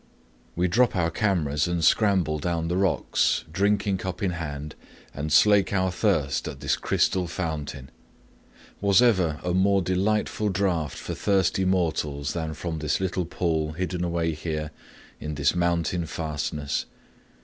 We drop our cameras and scramble down the rocks, drinking cup in hand, and slake our thirst at this crystal fountain. Was ever a more delightful draught for thirsty mortals than from this little pool hidden away here in this mountain fastness?